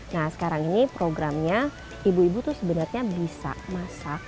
nah sekarang ini programnya ibu ibu tuh sebenarnya bisa masak